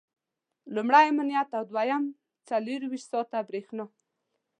لومړی امنیت او دویم څلرویشت ساعته برېښنا.